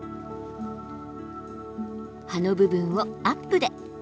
葉の部分をアップで。